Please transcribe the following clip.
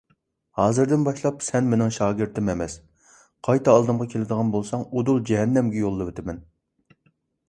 ھازىردىن باشلاپ سەن مېنىڭ شاگىرتىم ئەمەس! قايتا ئالدىمغا كېلىدىغان بولساڭ ئۇدۇل جەھەننەمگە يوللىۋېتىمەن!